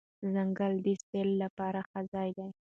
ځنګل د سیل لپاره ښه ځای دی.